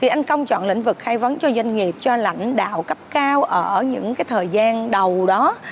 vì anh công chọn lĩnh vực khai vấn cho doanh nghiệp cho lãnh đạo cấp cao ở những cái thời gian đầu đó